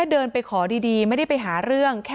จนใดเจ้าของร้านเบียร์ยิงใส่หลายนัดเลยค่ะ